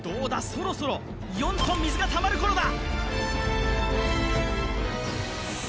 そろそろ４ｔ水がたまる頃だ